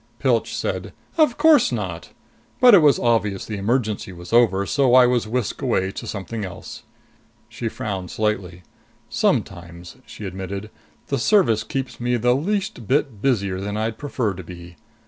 Pilch said, "Of course not! But it was obvious the emergency was over, so I was whisked away to something else." She frowned slightly. "Sometimes," she admitted, "the Service keeps me the least bit busier than I'd prefer to be.